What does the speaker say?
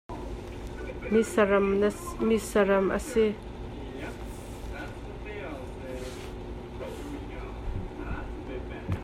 Mi sa ram a si.